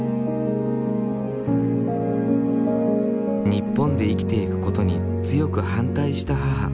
日本で生きていくことに強く反対した母。